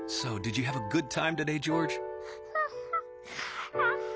ハハハハ。